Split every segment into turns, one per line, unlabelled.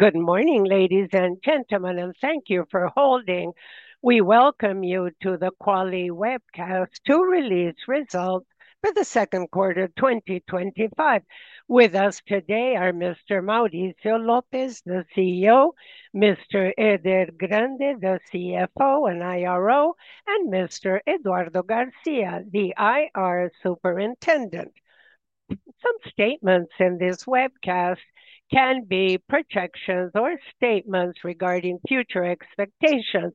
Good morning, ladies and gentlemen, and thank you for holding. We welcome you to the Quali Webcast to Release Results for the Second Quarter of 2025. With us today are Mr. Mauricio Lopes, the CEO, Mr. Eder Grande, the CFO and IRO, and Mr. Eduardo Garcia, the IR Superintendent. Some statements in this webcast can be projections or statements regarding future expectations.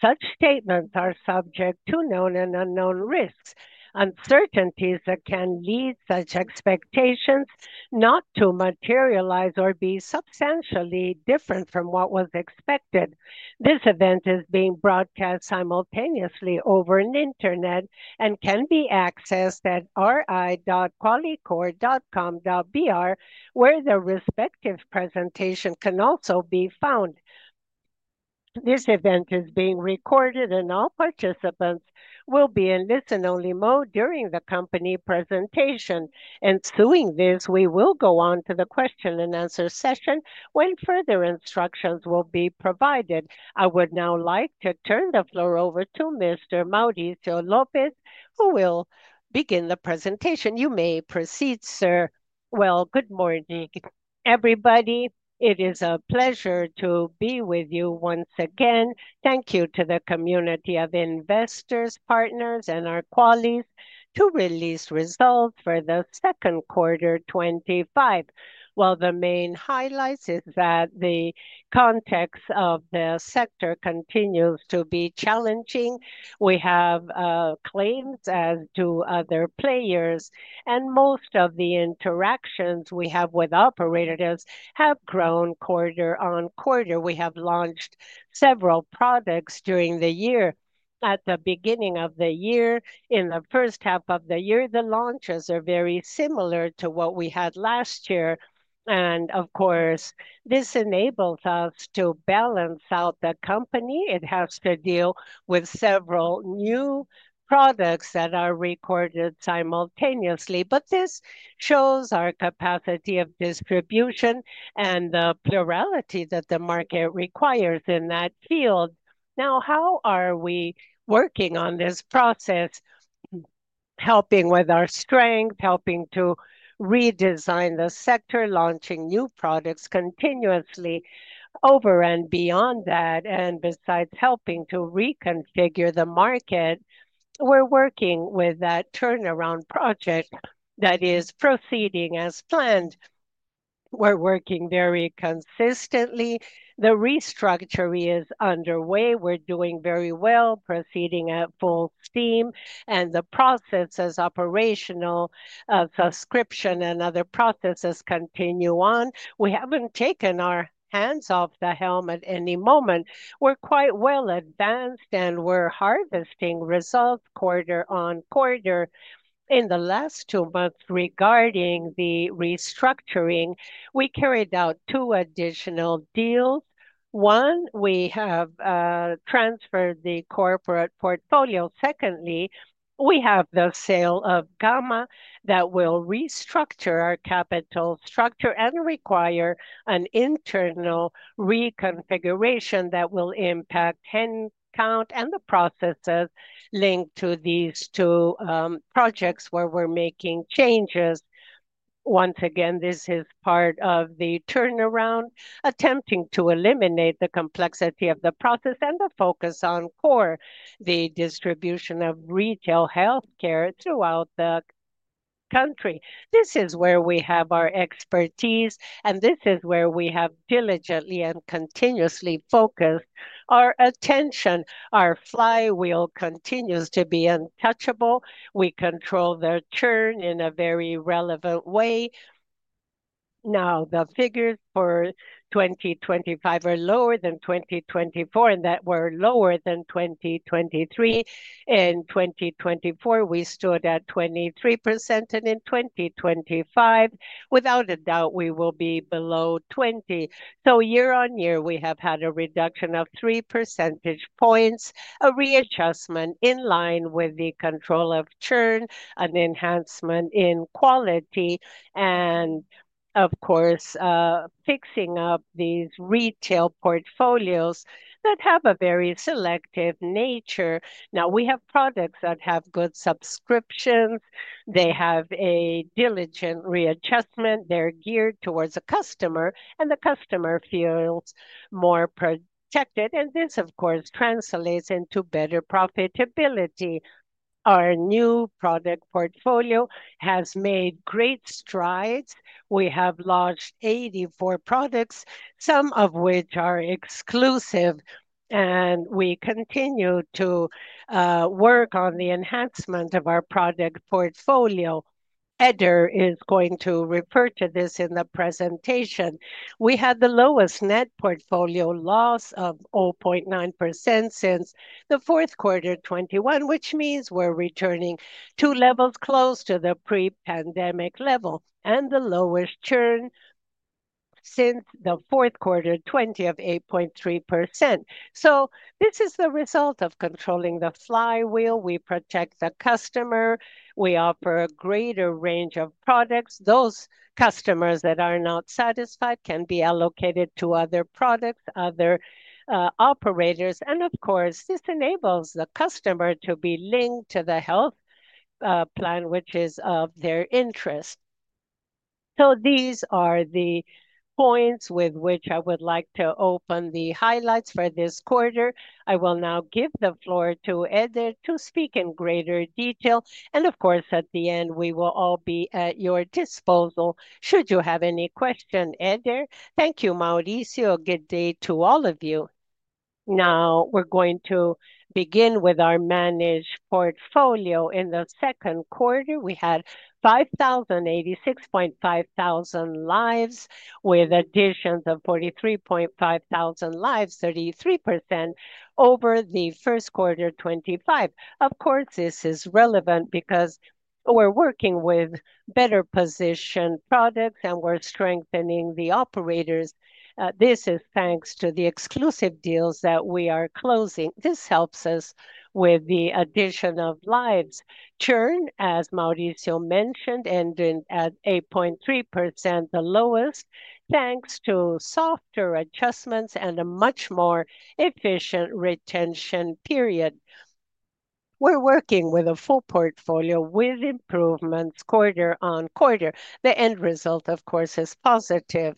Such statements are subject to known and unknown risks, uncertainties that can lead such expectations not to materialize or be substantially different from what was expected. This event is being broadcast simultaneously over the internet and can be accessed at ri.qualicorp.com.br, where the respective presentation can also be found. This event is being recorded, and all participants will be in listen-only mode during the company presentation. In pursuing this, we will go on to the question and answer session when further instructions will be provided. I would now like to turn the floor over to Mr. Mauricio Lopes, who will begin the presentation. You may proceed, sir.
Good morning, everybody. It is a pleasure to be with you once again. Thank you to the community of investors, partners, and our Quali to release results for the second quarter of 2025. The main highlights are that the context of the sector continues to be challenging. We have claims as to other players, and most of the interactions we have with operators have grown quarter-on-quarter. We have launched several products during the year. At the beginning of the year, in the first half of the year, the launches are very similar to what we had last year. Of course, this enables us to balance out the company. It has to deal with several new products that are recorded simultaneously. This shows our capacity of distribution and the plurality that the market requires in that field. Now, how are we working on this process? Helping with our strength, helping to redesign the sector, launching new products continuously over and beyond that. Besides helping to reconfigure the market, we're working with that turnaround project that is proceeding as planned. We're working very consistently. The restructuring is underway. We're doing very well, proceeding at full steam, and the process as operational, as subscription and other processes continue on. We haven't taken our hands off the helm at any moment. We're quite well advanced, and we're harvesting results quarter on quarter. In the last two months regarding the restructuring, we carried out two additional deals. One, we have transferred the corporate portfolio. Secondly, we have the sale of Gama that will restructure our capital structure and require an internal reconfiguration that will impact headcount and the processes linked to these two projects where we're making changes. Once again, this is part of the turnaround, attempting to eliminate the complexity of the process and the focus on core, the distribution of retail healthcare throughout the country. This is where we have our expertise, and this is where we have diligently and continuously focused our attention. Our flywheel continues to be untouchable. We control their churn in a very relevant way. Now, the figures for 2025 are lower than 2024, and that were lower than 2023. In 2024, we stood at 23%, and in 2025, without a doubt, we will be below 20%. Year-on-year, we have had a reduction of three percentage points, a readjustment in line with the control of churn, an enhancement in quality, and of course, fixing up these retail portfolios that have a very selective nature. Now, we have products that have good subscriptions. They have a diligent readjustment. They're geared towards the customer, and the customer feels more protected. This, of course, translates into better profitability. Our new product portfolio has made great strides. We have launched 84 products, some of which are exclusive, and we continue to work on the enhancement of our product portfolio. Eder is going to refer to this in the presentation. We had the lowest net portfolio loss of 0.9% since the fourth quarter of 2021, which means we're returning to levels close to the pre-pandemic level and the lowest churn since the fourth quarter 2020 of 8.3%. This is the result of controlling the flywheel. We protect the customer. We offer a greater range of products. Those customers that are not satisfied can be allocated to other products, other operators. This enables the customer to be linked to the health plan, which is of their interest. These are the points with which I would like to open the highlights for this quarter. I will now give the floor to Eder to speak in greater detail. At the end, we will all be at your disposal should you have any questions, Eder.
Thank you, Mauricio. Good day to all of you. Now, we're going to begin with our managed portfolio. In the second quarter, we had 5,086,500 lives, with additions of 43,500 lives, 33% over the first quarter of 2025. Of course, this is relevant because we're working with better-positioned products, and we're strengthening the operators. This is thanks to the exclusive deals that we are closing. This helps us with the addition of lives. Churn, as Mauricio mentioned, ended at 8.3%, the lowest, thanks to softer adjustments and a much more efficient retention period. We're working with a full portfolio with improvements quarter-on-quarter. The end result, of course, is positive.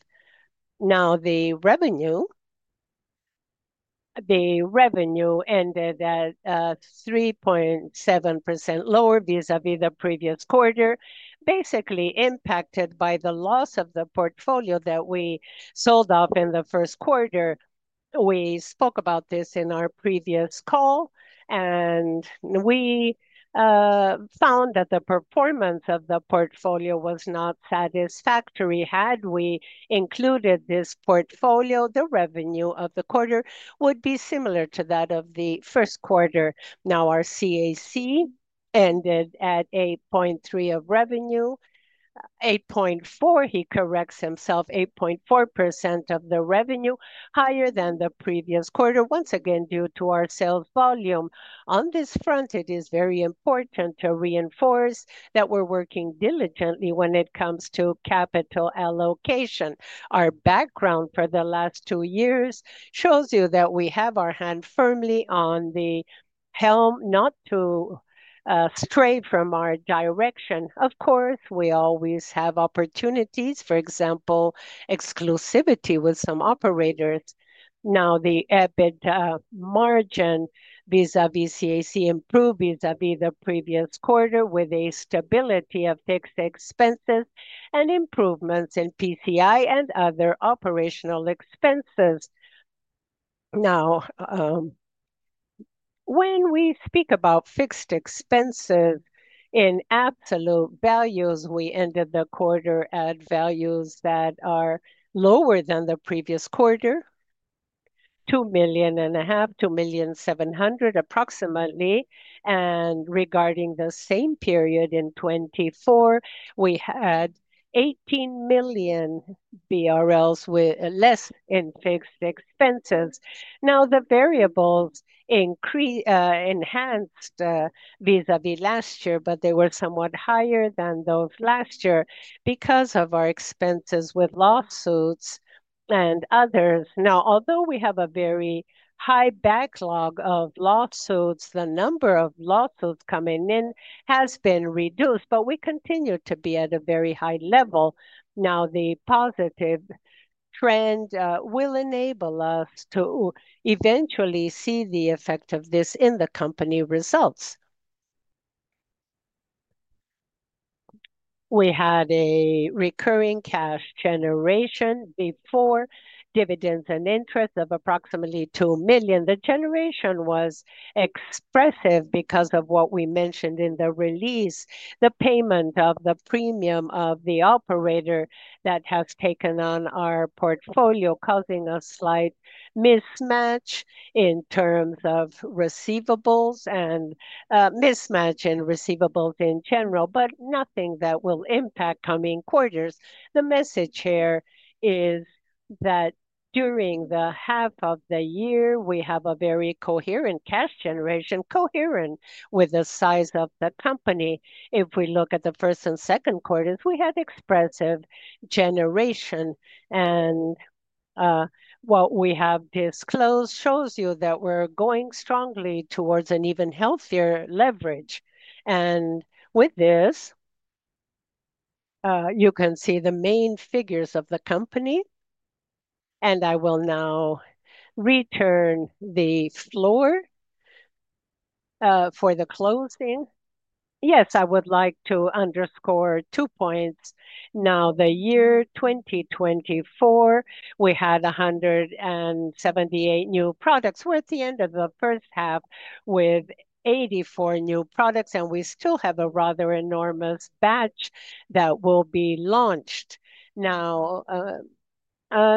Now, the revenue ended at 3.7% lower vis-à-vis the previous quarter, basically impacted by the loss of the portfolio that we sold off in the first quarter. We spoke about this in our previous call, and we found that the performance of the portfolio was not satisfactory. Had we included this portfolio, the revenue of the quarter would be similar to that of the first quarter. Now, our CAC ended at 8.3% of revenue. 8.4%, he corrects himself, 8.4% of the revenue, higher than the previous quarter, once again due to our sales volume. On this front, it is very important to reinforce that we're working diligently when it comes to capital allocation. Our background for the last two years shows you that we have our hand firmly on the helm, not to stray from our direction. Of course, we always have opportunities, for example, exclusivity with some operators. Now, the EBITDA margin vis-à-vis CAC improved vis-à-vis the previous quarter, with a stability of fixed expenses and improvements in PCI and other operational expenses. Now, when we speak about fixed expenses in absolute values, we ended the quarter at values that are lower than the previous quarter, 2.5 million, 2.7 million approximately. Regarding the same period in 2024, we had 18 million BRL less in fixed expenses. Now, the variables enhanced vis-à-vis last year, but they were somewhat higher than those last year because of our expenses with lawsuits and others. Although we have a very high backlog of lawsuits, the number of lawsuits coming in has been reduced, but we continue to be at a very high level. The positive trend will enable us to eventually see the effect of this in the company results. We had a recurring cash generation before dividends and interest of approximately 2 million. The generation was expressive because of what we mentioned in the release, the payment of the premium of the operator that has taken on our portfolio, causing a slight mismatch in terms of receivables and mismatch in receivables in general, but nothing that will impact coming quarters. The message here is that during the half of the year, we have a very coherent cash generation, coherent with the size of the company. If we look at the first and second quarters, we had expressive generation. What we have disclosed shows you that we're going strongly towards an even healthier leverage. With this, you can see the main figures of the company. I will now return the floor for the closing. Yes, I would like to underscore two points. Now, the year 2024, we had 178 new products. We're at the end of the first half with 84 new products, and we still have a rather enormous batch that will be launched.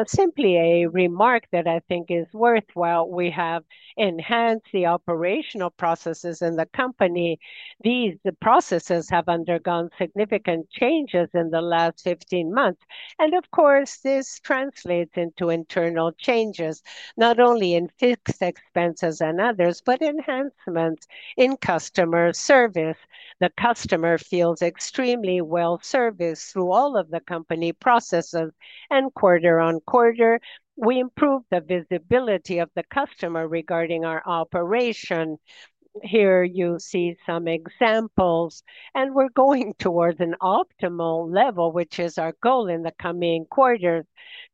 Simply a remark that I think is worthwhile, we have enhanced the operational processes in the company. These processes have undergone significant changes in the last 15 months. Of course, this translates into internal changes, not only in fixed expenses and others, but enhancements in customer service. The customer feels extremely well-serviced through all of the company processes. Quarter-on-quarter, we improve the visibility of the customer regarding our operation. Here, you see some examples. We're going towards an optimal level, which is our goal in the coming quarter,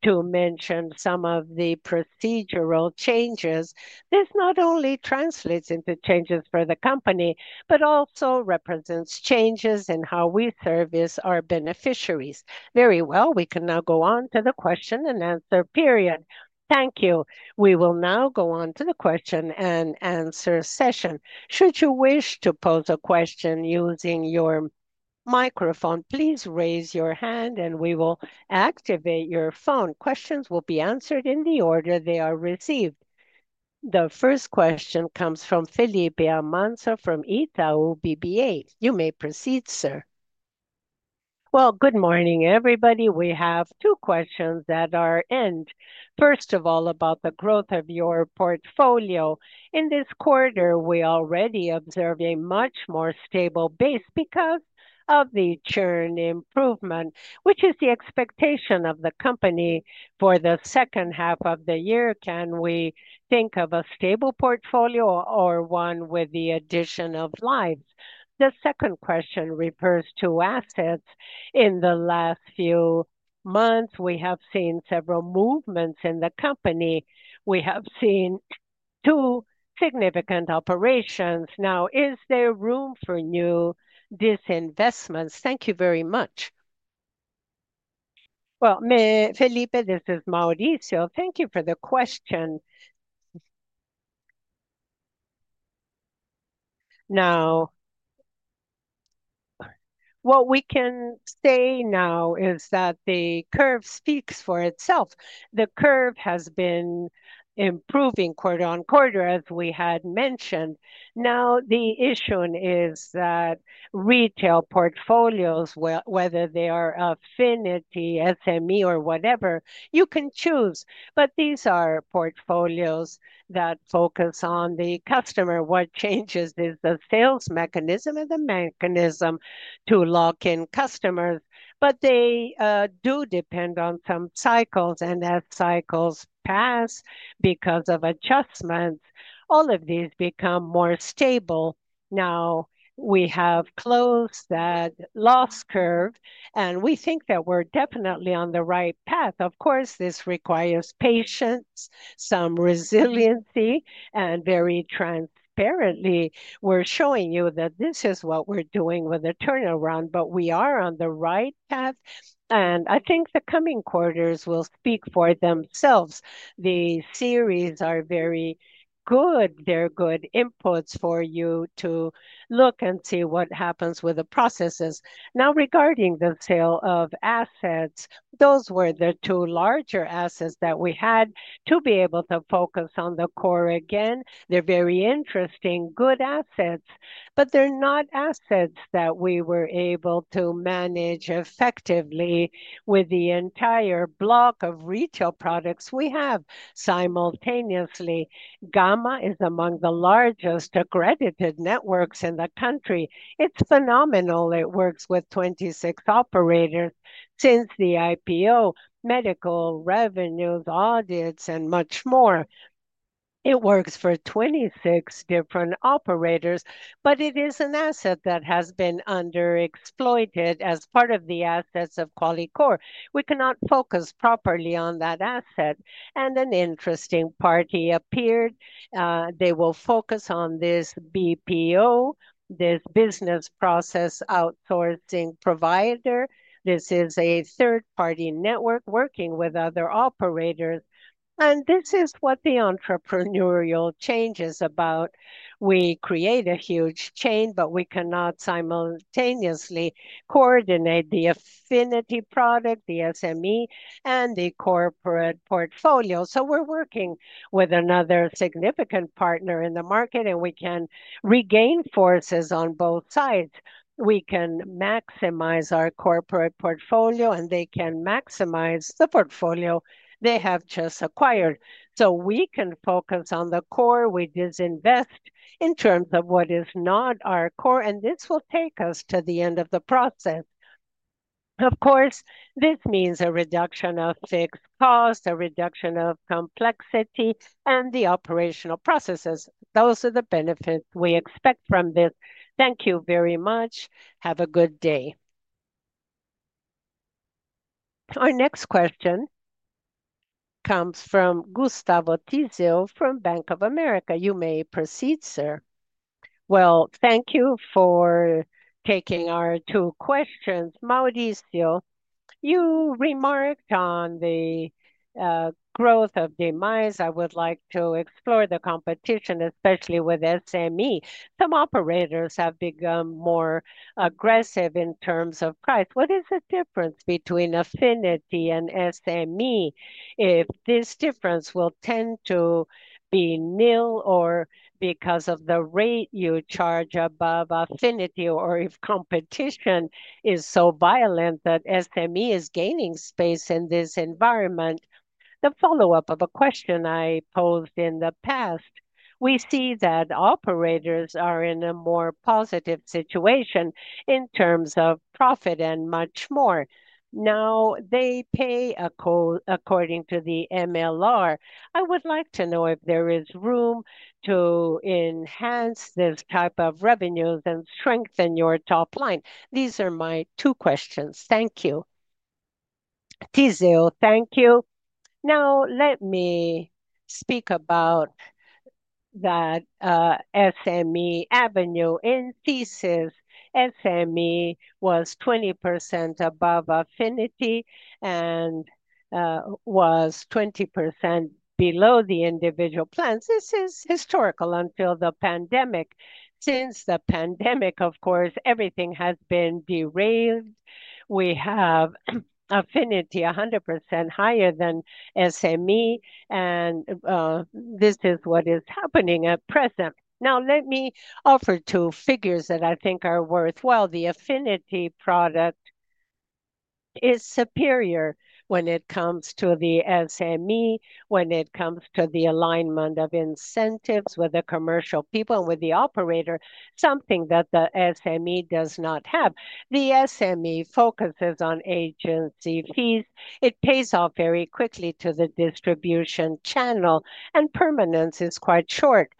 to mention some of the procedural changes. This not only translates into changes for the company, but also represents changes in how we service our beneficiaries. Very well, we can now go on to the question and answer period.
Thank you. We will now go on to the question and answer session. Should you wish to pose a question using your microphone, please raise your hand and we will activate your phone. Questions will be answered in the order they are received. The first question comes from Felipe Durante from Itaú BBA. You may proceed, sir.
Good morning, everybody. We have two questions at our end. First of all, about the growth of your portfolio. In this quarter, we already observe a much more stable base because of the churn improvement, which is the expectation of the company for the second half of the year. Can we think of a stable portfolio or one with the addition of lives? The second question refers to assets. In the last few months, we have seen several movements in the company. We have seen two significant operations. Now, is there room for new divestments? Thank you very much.
Thank you for the question. What we can say now is that the curve speaks for itself. The curve has been improving quarter on quarter, as we had mentioned. The issue is that retail portfolios, whether they are Affinity, SME, or whatever, you can choose. These are portfolios that focus on the customer. What changes is the sales mechanism or the mechanism to lock in customers. They do depend on some cycles, and as cycles pass because of adjustments, all of these become more stable. We have closed that loss curve, and we think that we're definitely on the right path. Of course, this requires patience, some resiliency, and very transparently, we're showing you that this is what we're doing with a turnaround, but we are on the right path. I think the coming quarters will speak for themselves. The series are very good. They're good inputs for you to look and see what happens with the processes. Regarding the sale of assets, those were the two larger assets that we had to be able to focus on the core again. They're very interesting, good assets, but they're not assets that we were able to manage effectively with the entire block of retail products we have simultaneously. Gama is among the largest accredited networks in the country. It's phenomenal. It works with 26 operators since the IPO, medical revenues, audits, and much more. It works for 26 different operators, but it is an asset that has been underexploited as part of the assets of Qualicorp. We cannot focus properly on that asset. An interesting party appeared. They will focus on this BPO, this business process outsourcing provider. This is a third-party network working with other operators. This is what the entrepreneurial change is about. We create a huge chain, but we cannot simultaneously coordinate the Affinity product, the SME, and the corporate portfolio. We are working with another significant partner in the market, and we can regain forces on both sides. We can maximize our corporate portfolio, and they can maximize the portfolio they have just acquired. We can focus on the core. We divest in terms of what is not our core, and this will take us to the end of the process. Of course, this means a reduction of fixed costs, a reduction of complexity, and the operational processes. Those are the benefits we expect from this.
Thank you very much. Have a good day.
Our next question comes from Gustavo Vasavilbaso from Bank of America. You may proceed, sir. Thank you for taking our two questions. Mauricio, you remarked on the growth of demise.
I would like to explore the competition, especially with SME. Some operators have become more aggressive in terms of price. What is the difference between Affinity and SME? If this difference will tend to be nil or because of the rate you charge above Affinity, or if competition is so violent that SME is gaining space in this environment? The follow-up of a question I posed in the past. We see that operators are in a more positive situation in terms of profit and much more. Now, they pay according to the MLR. I would like to know if there is room to enhance this type of revenue and strengthen your top line. These are my two questions. Thank you.
Gustavo, thank you. Now, let me speak about that SME avenue. In thesis, SME was 20% above Affinity and was 20% below the individual plans. This is historical until the pandemic. Since the pandemic, of course, everything has been derailed. We have Affinity 100% higher than SME, and this is what is happening at present. Now, let me offer two figures that I think are worthwhile. The Affinity product is superior when it comes to the SME, when it comes to the alignment of incentives with the commercial people and with the operator, something that the SME does not have. The SME focuses on agency fees. It pays off very quickly to the distribution channel, and permanence is quite short.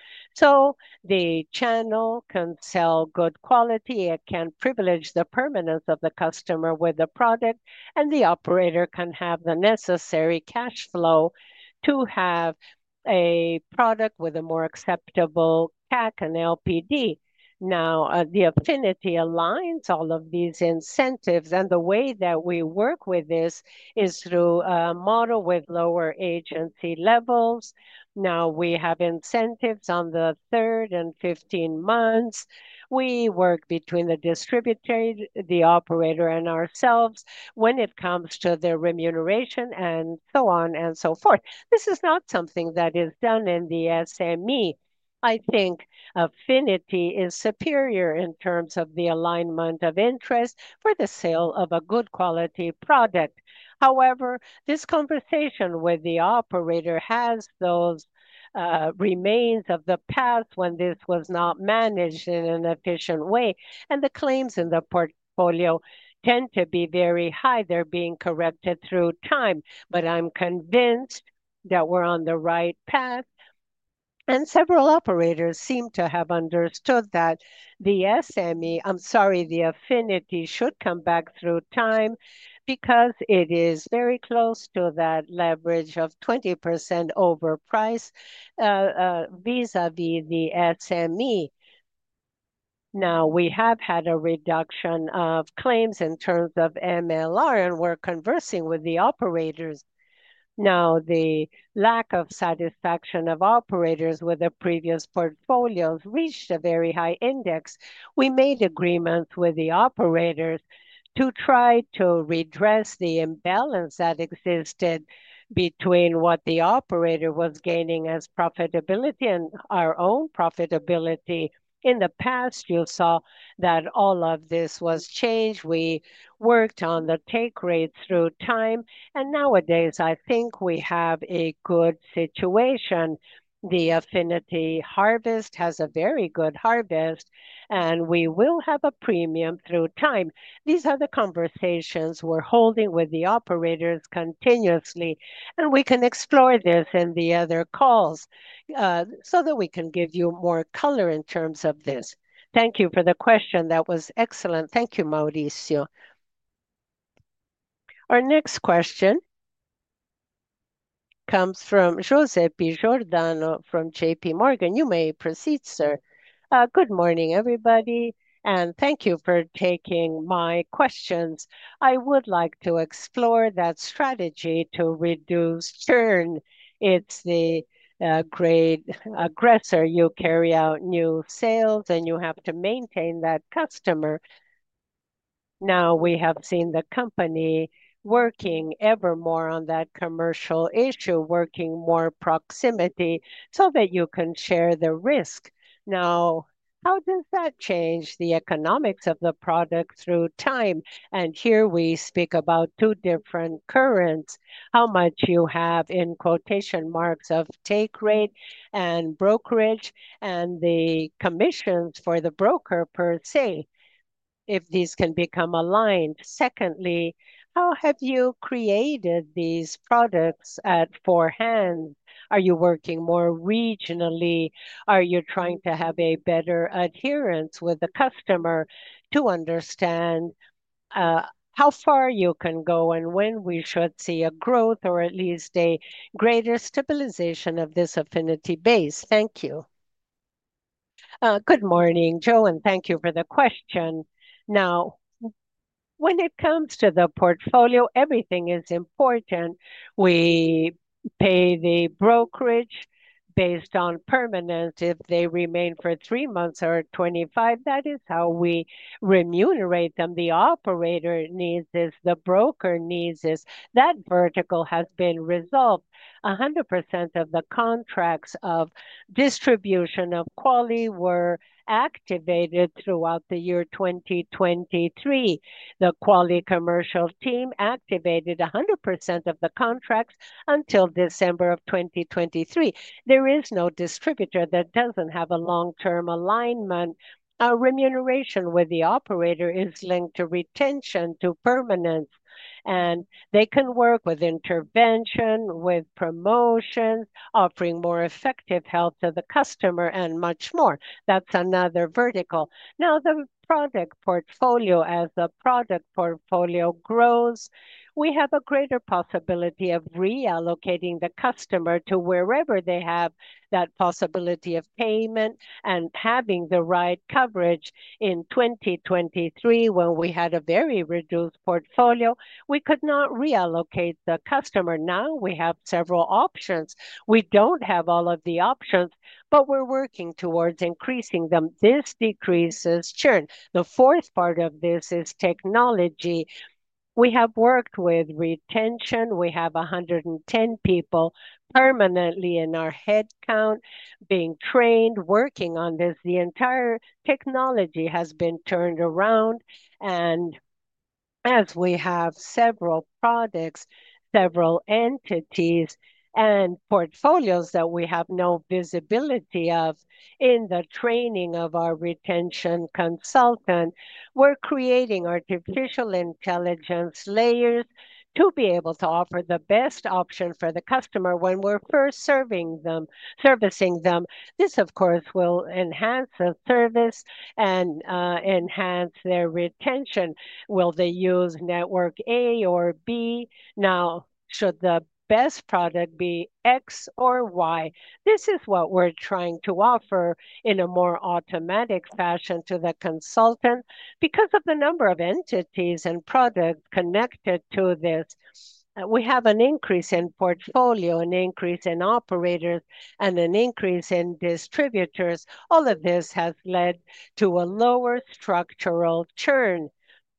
The channel can sell good quality. It can privilege the permanence of the customer with the product, and the operator can have the necessary cash flow to have a product with a more acceptable CAC and LPD. The Affinity aligns all of these incentives, and the way that we work with this is through a model with lower agency levels. Now, we have incentives on the third and 15 months. We work between the distributor, the operator, and ourselves when it comes to their remuneration and so on and so forth. This is not something that is done in the SME. I think Affinity is superior in terms of the alignment of interest for the sale of a good quality product. However, this conversation with the operator has those remains of the past when this was not managed in an efficient way, and the claims in the portfolio tend to be very high. They're being corrected through time, but I'm convinced that we're on the right path, and several operators seem to have understood that the SME, I'm sorry, the Affinity should come back through time because it is very close to that leverage of 20% overprice vis-à-vis the SME. Now, we have had a reduction of claims in terms of MLR, and we're conversing with the operators. The lack of satisfaction of operators with the previous portfolios reached a very high index. We made agreements with the operators to try to redress the imbalance that existed between what the operator was gaining as profitability and our own profitability. In the past, you saw that all of this was changed. We worked on the take rates through time, and nowadays, I think we have a good situation. The Affinity harvest has a very good harvest, and we will have a premium through time. These are the conversations we're holding with the operators continuously, and we can explore this in the other calls so that we can give you more color in terms of this. Thank you for the question. That was excellent.
Thank you, Mauricio.
Our next question comes from Joseph Giordano from JPMorgan. You may proceed, sir.
Good morning, everybody, and thank you for taking my questions. I would like to explore that strategy to reduce churn. It's the great aggressor. You carry out new sales, and you have to maintain that customer. Now, we have seen the company working ever more on that commercial issue, working more proximity so that you can share the risk. How does that change the economics of the product through time? Here we speak about two different currents, how much you have in quotation marks of take rate and brokerage and the commissions for the broker per se, if these can become aligned. Secondly, how have you created these products at forehand? Are you working more regionally? Are you trying to have a better adherence with the customer to understand how far you can go and when we should see a growth or at least a greater stabilization of this affinity base? Thank you.
Good morning, Joe, and thank you for the question. When it comes to the portfolio, everything is important. We pay the brokerage based on permanence. If they remain for three months or 25 months, that is how we remunerate them. The operator needs this. The broker needs this. That vertical has been resolved. 100% of the contracts of distribution of Quali were activated throughout the year 2023. The Quali commercial team activated 100% of the contracts until December of 2023. There is no distributor that doesn't have a long-term alignment. Our remuneration with the operator is linked to retention, to permanence, and they can work with intervention, with promotions, offering more effective help to the customer, and much more. That's another vertical. Now, the product portfolio, as the product portfolio grows, we have a greater possibility of reallocating the customer to wherever they have that possibility of payment and having the right coverage. In 2023, when we had a very reduced portfolio, we could not reallocate the customer. Now, we have several options. We don't have all of the options, but we're working towards increasing them. This decreases churn. The fourth part of this is technology. We have worked with retention. We have 110 people permanently in our headcount being trained, working on this. The entire technology has been turned around, and as we have several products, several entities, and portfolios that we have no visibility of in the training of our retention consultant, we're creating artificial intelligence layers to be able to offer the best option for the customer when we're first servicing them. This, of course, will enhance the service and enhance their retention. Will they use network A or B? Now, should the best product be X or Y? This is what we're trying to offer in a more automatic fashion to the consultant. Because of the number of entities and products connected to this, we have an increase in portfolio, an increase in operators, and an increase in distributors. All of this has led to a lower structural churn.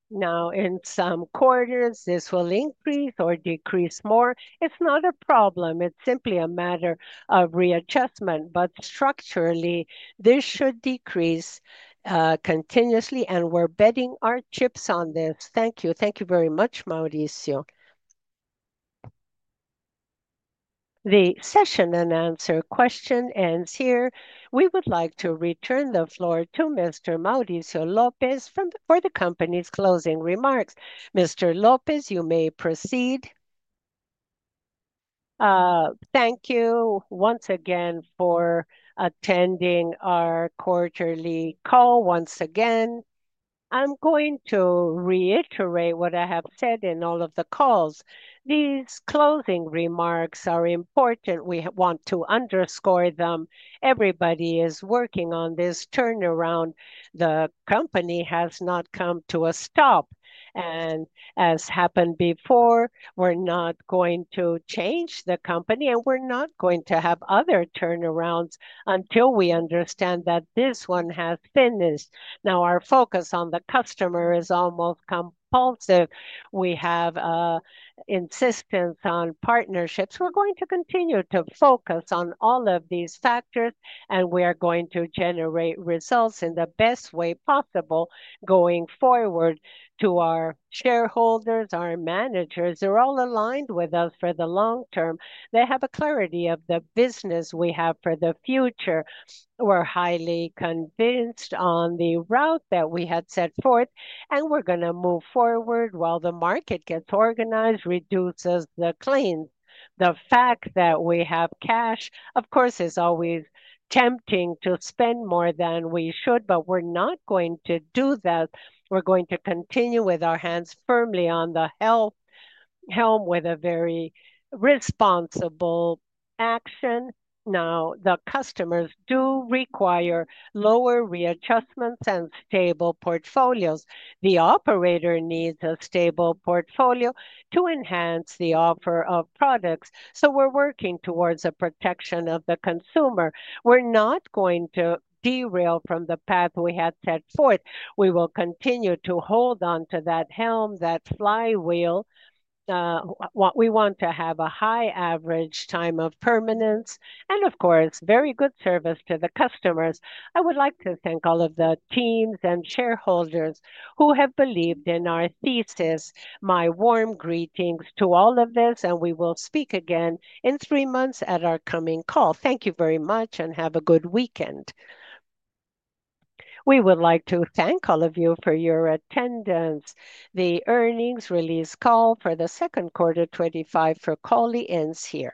Now, in some quarters, this will increase or decrease more. It's not a problem. It's simply a matter of readjustment. Structurally, this should decrease continuously, and we're betting our chips on this. Thank you.
Thank you very much, Mauricio.
The session and answer question ends here. We would like to return the floor to Mr. Mauricio Lopes for the company's closing remarks. Mr. Lopes, you may proceed.
Thank you once again for attending our quarterly call. Once again, I'm going to reiterate what I have said in all of the calls. These closing remarks are important. We want to underscore them. Everybody is working on this turnaround. The company has not come to a stop. As happened before, we're not going to change the company, and we're not going to have other turnarounds until we understand that this one has finished. Now, our focus on the customer is almost compulsive. We have an insistence on partnerships. We're going to continue to focus on all of these factors, and we are going to generate results in the best way possible going forward to our shareholders, our managers. They're all aligned with us for the long term. They have a clarity of the business we have for the future. We're highly convinced on the route that we had set forth, and we're going to move forward while the market gets organized, reduces the claims. The fact that we have cash, of course, is always tempting to spend more than we should, but we're not going to do that. We're going to continue with our hands firmly on the helm with a very responsible action. Now, the customers do require lower readjustments and stable portfolios. The operator needs a stable portfolio to enhance the offer of products. We're working towards the protection of the consumer. We're not going to derail from the path we had set forth. We will continue to hold on to that helm, that flywheel. We want to have a high average time of permanence and, of course, very good service to the customers. I would like to thank all of the teams and shareholders who have believed in our thesis. My warm greetings to all of this, and we will speak again in three months at our coming call. Thank you very much, and have a good weekend.
We would like to thank all of you for your attendance. The earnings release call for the second quarter 2025 for Quali ends here.